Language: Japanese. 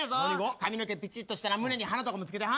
髪の毛ピチッとしたら胸に花とかも付けてはんねん。